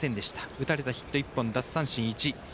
打たれたヒット１本奪三振１。